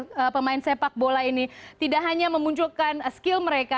untuk pemain sepak bola ini tidak hanya memunculkan skill mereka